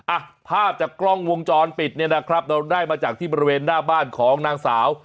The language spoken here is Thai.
อ่ะภาพจากกล้องวงจรปิดเนี่ยนะครับเราได้มาจากที่บริเวณหน้าบ้านของนางสาว